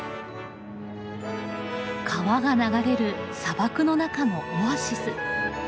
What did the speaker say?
川が流れる砂漠の中のオアシス。